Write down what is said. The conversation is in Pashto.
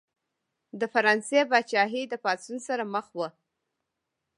د فرانسې پاچاهي د پاڅون سره مخ وه.